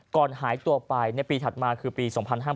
หายตัวไปในปีถัดมาคือปี๒๕๕๙